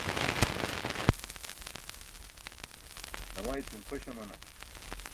namaycin xoś amanam